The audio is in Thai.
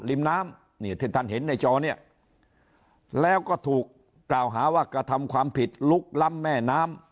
ริมน้ำนี่ที่ท่านเห็นในจอเนี่ยแล้วก็ถูกกล่าวหาว่ากระทำความผิดลุกล้ำแม่น้ำ